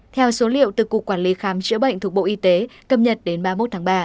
theo số liệu từ cục quản lý khám chữa bệnh thuộc bộ y tế cập nhật đến ba mươi một tháng ba